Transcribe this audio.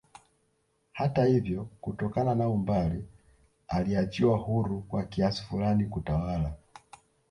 Hata ivyo kutokana na umbali aliachiwa huru kwa kiasi fulani kutawala